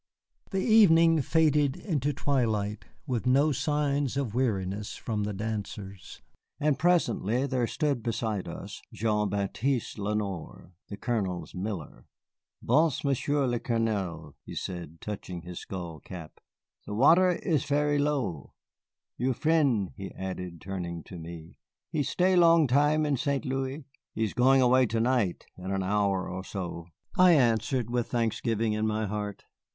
The evening faded into twilight, with no signs of weariness from the dancers. And presently there stood beside us Jean Baptiste Lenoir, the Colonel's miller. "B'soir, Monsieur le Colonel," he said, touching his skull cap, "the water is very low. You fren'," he added, turning to me, "he stay long time in St. Louis?" "He is going away to night, in an hour or so," I answered, with thanksgiving in my heart.